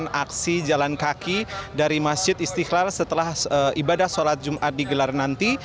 dan melakukan aksi jalan kaki dari masjid istihlal setelah ibadah sholat jumat digelar nanti